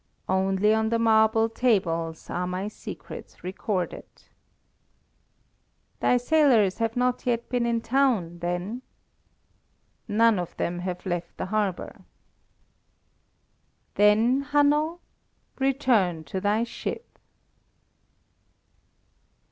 "Only on the marble tables are my secrets recorded." "Thy sailors have not yet been in the town, then?" "None of them have left the harbour." "Then, Hanno, return to thy ship."